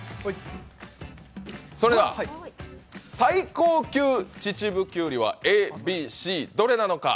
それでは、最高級秩父きゅうりはＡ、Ｂ、Ｃどれなのか。